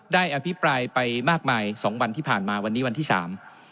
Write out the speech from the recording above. อภิปรายไปมากมายสองวันที่ผ่านมาวันนี้วันที่สาม